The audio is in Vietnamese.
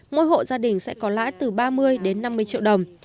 mỗi hộ gia đình sẽ có lãi từ ba mươi đến năm mươi triệu đồng